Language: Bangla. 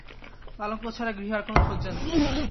পালঙ্ক ছাড়া গৃহে আর কোনো সজ্জা নাই।